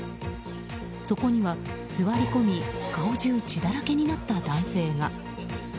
そこには座り込み顔中血だらけになった男性が。